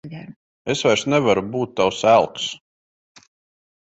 Es vairs nevaru būt tavs elks.